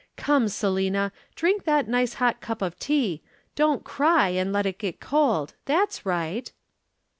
Come, Selina! drink that nice hot cup of tea don't cry and let it get cold. That's right.